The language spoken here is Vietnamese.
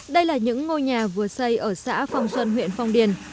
đây là những ngôi nhà vừa xây ở xã phong xuân huyện phong điền